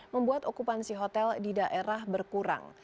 membuat okupansi hotel di daerah berkurang